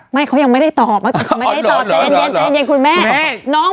ไม่เขายังไม่ได้ตอบ